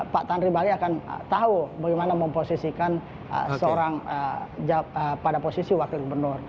pak tanri bali akan tahu bagaimana memposisikan pada posisi wakil gubernur